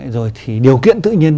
rồi thì điều kiện tự nhiên